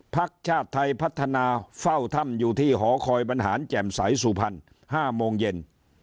พักชาติไทยพัฒนาเฝ้าถ้ำอยู่ที่หอคอยบรรหารแจ่มใสสุพรรณ๕โมงเย็น